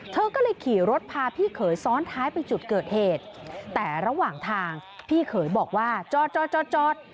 เธอก็เลยขี่รถพาพี่เขยซ้อนท้ายไปจุดเกิดเหตุแต่ระหว่างทางพี่เขยบอกว่าจอดจอด